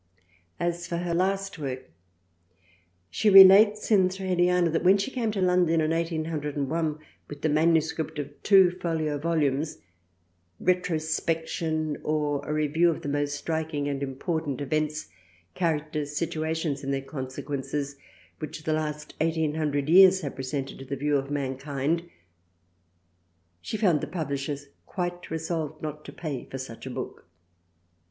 * As for her last work, she relates in Thraliana that when she came to London in 1801 with the MS. of two folio Volumes " Retrospection, or a Review of the most striking and important Events, Characters, Situations and their Consequences which the last Eighteen Hundred Years have presented to the View of Mankind " she found the publishers quite resolved not to pay for such a book.